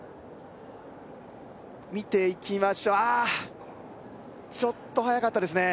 見ていきましょうああちょっと早かったですね